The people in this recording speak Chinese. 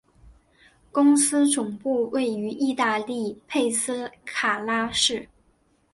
公司总部位于意大利佩斯卡拉市。